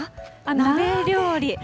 鍋料理。